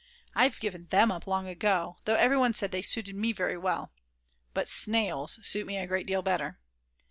I've given them up long ago, though everyone said they suited me very well. But "snails" suit me a great deal better.